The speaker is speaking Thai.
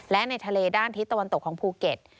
และในทะเลด้านทิศตะวันตกของภูเก็ต